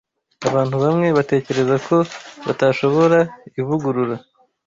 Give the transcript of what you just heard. Abantu bamwe batekereza ko batashobora ivugurura